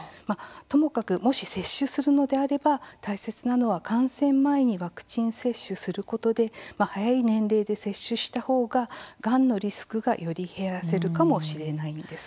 ともかく、もし接種するのであれば大切なのは感染前にワクチン接種することで早い年齢で接種したほうががんのリスクがより減らせるかもしれないんです。